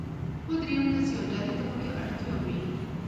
خو درېم کس يا ډلې ته پکې اړتيا وي.